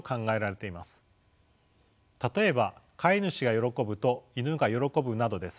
例えば飼い主が喜ぶとイヌが喜ぶなどです。